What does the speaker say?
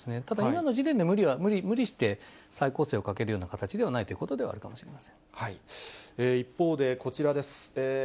ただ、今の時点で無理して、再攻勢をかけるような形ではないということではあるかもしれませ一方で、こちらです。